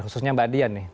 khususnya mbak dian nih